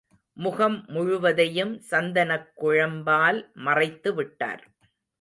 முகம் முழுவதையும் சந்தனக் குழம்பால் மறைத்துவிட்டார்.